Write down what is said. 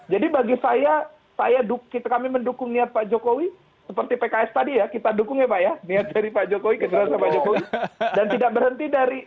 jadi bagi saya kami mendukung niat pak jokowi seperti pks tadi ya kita dukung ya pak ya niat dari pak jokowi kejelasan pak jokowi